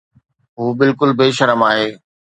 هو بلڪل بي شرم آهي